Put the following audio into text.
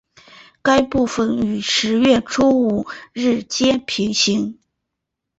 该部份与十月初五日街平行。